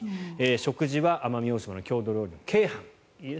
食事は奄美大島の郷土料理の鶏飯。